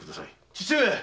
父上！